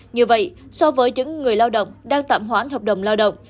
như vậy so với những người lao động đang tạm hoãn hợp đồng lao động